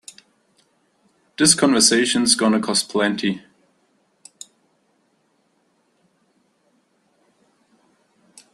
This convention's gonna cost plenty.